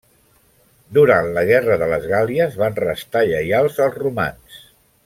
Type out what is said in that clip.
Durant la Guerra de les Gàl·lies van restar lleials als romans.